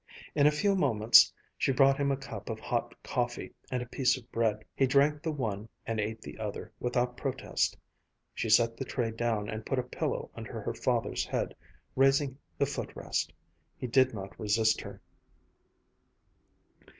In a few moments she brought him a cup of hot coffee and a piece of bread. He drank the one and ate the other without protest She set the tray down and put a pillow under her father's head, raising the foot rest. He did not resist her.